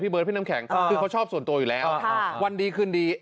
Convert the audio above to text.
เบิร์พี่น้ำแข็งคือเขาชอบส่วนตัวอยู่แล้ววันดีคืนดี